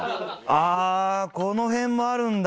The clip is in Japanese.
ああこの辺もあるんだ。